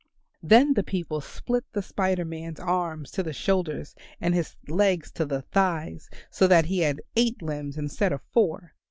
Then the people split the Spider Man's arms to the shoulders, and his legs to the thighs, so that he had eight limbs instead of four.